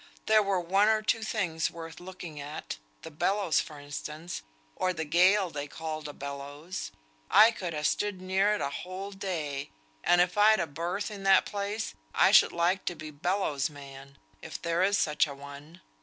There were one or two things worth looking at, the bellows for instance, or the gale they called a bellows. I could ha' stood near it a whole day; and if I'd a berth in that place, I should like to be bellows man, if there is such a one.